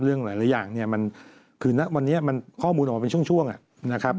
เรื่องหลายอย่างนี่คือวันนี้ข้อมูลออกมาเป็นช่วงน่ะครับ